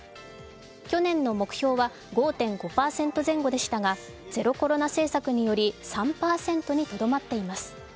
去年の目標は５．５％前後でしたがゼロコロナ政策により３％にとどまっています。